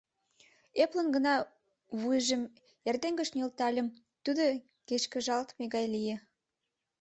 Эплын гына вуйжым эрдем гыч нӧлтальым, тудо кечкыжалтыме гай лие.